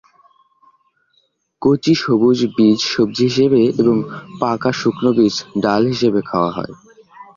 কচি সবুজ বীজ সবজি হিসেবে এবং পাকা শুকনো বীজ ডাল হিসেবে খাওয়া হয়।